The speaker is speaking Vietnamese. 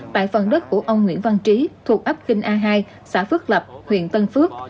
tại phần đất của ông nguyễn văn trí thuộc ấp kinh a hai xã phước lập huyện tân phước